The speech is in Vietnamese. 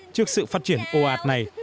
trước sự phát triển ô ạt này